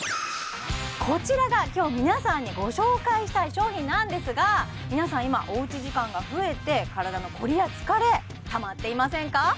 こちらが今日皆さんにご紹介したい商品なんですが皆さん今おうち時間が増えて体の凝りや疲れたまっていませんか？